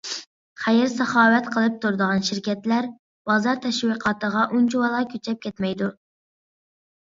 خەير-ساخاۋەت قىلىپ تۇرىدىغان شىركەتلەر بازار تەشۋىقاتىغا ئۇنچىۋالا كۈچەپ كەتمەيدۇ.